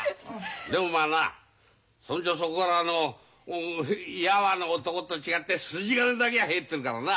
でもまあなそんじょそこらのヤワな男と違って筋金だけは入ってるからな。